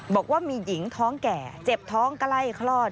บอกว่ามีหญิงท้องแก่เจ็บท้องใกล้คลอด